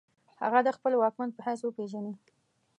هغه د خپل واکمن په حیث وپیژني.